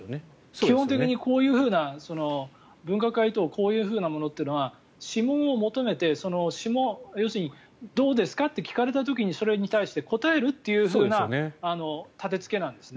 基本的にこういうふうな分科会等こういうふうなものっていうのは諮問を求めて要するにどうですか？と聞かれた時にそれに対して答えるというふうな建付けなんですね。